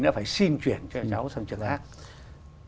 đã phải xin chuyển cho cháu sang trường áp